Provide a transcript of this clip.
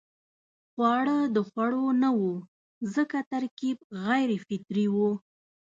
خواړه د خوړو نه وو ځکه ترکیب غیر فطري وو.